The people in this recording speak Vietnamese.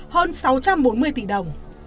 hơn sáu trăm bốn mươi tỷ đồng